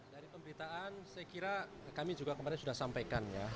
dari pemberitaan saya kira kami juga kemarin sudah sampaikan ya